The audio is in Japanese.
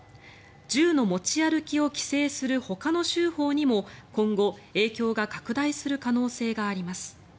銃の持ち歩きを規制するほかの州法にも今後、影響が拡大する可能性があります。